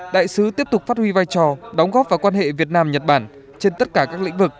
đại sứ tiếp tục phát huy vai trò đóng góp vào quan hệ việt nam nhật bản trên tất cả các lĩnh vực